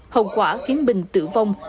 hậu quả khiến bình tử vong